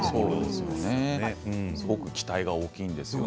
期待が大きいんですよね。